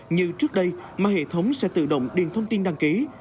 như trước đây mà hệ thống sẽ tự động điền thông tin đăng ký